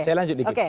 saya lanjut dikit